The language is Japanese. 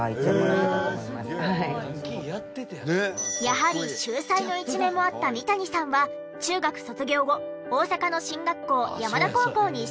やはり秀才の一面もあった三谷さんは中学卒業後大阪の進学校山田高校に進学。